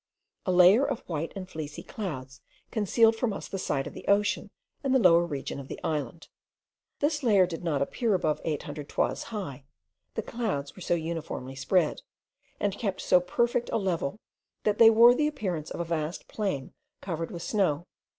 A layer of white and fleecy clouds concealed from us the sight of the ocean, and the lower region of the island. This layer did not appear above 800 toises high; the clouds were so uniformly spread, and kept so perfect a level, that they wore the appearance of a vast plain covered with snow.